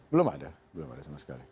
belum ada belum ada sama sekali